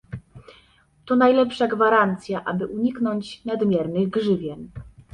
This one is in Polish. To najlepsza gwarancja, aby uniknąć nadmiernych grzywien